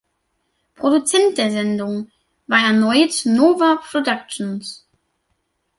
Produzent der Sendung war erneut "Nova Productions".